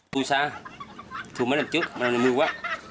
thu xa thu mấy năm trước mấy năm nay mưa quá